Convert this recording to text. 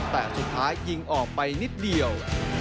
แต่สุดท้ายยิงออกไปนิดเดียว